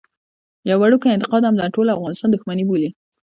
يو وړوکی انتقاد هم د ټول افغانستان دښمني بولي.